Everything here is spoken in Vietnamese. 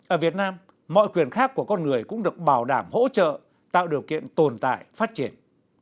ở việt nam mọi quyền khác của con người cũng được bảo đảm hỗ trợ tạo điều kiện tồn tại phát triển